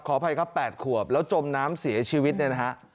อภัยครับ๘ขวบแล้วจมน้ำเสียชีวิตเนี่ยนะฮะ